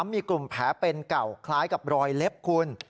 มีกลุ่มแผลเป็นเก่าคล้ายกับรอยเล็บคุณ